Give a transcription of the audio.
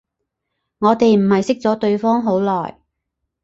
我哋唔係識咗對方好耐